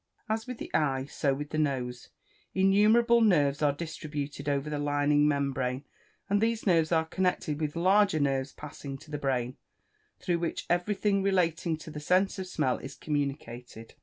As with the eye, so with the nose innumerable nerves are distributed over the lining membrane, and these nerves are connected with larger nerves passing to the brain, through which everything relating to the sense of smell is communicated.